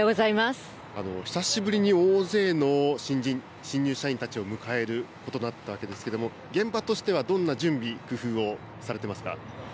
久しぶりに大勢の新人、新入社員を迎えることになったわけですけれども、現場としてはどんな準備、工夫をされてますか。